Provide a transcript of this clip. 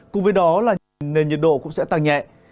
cùng với đó là nền nhiệt độ cũng sẽ tăng nhẹ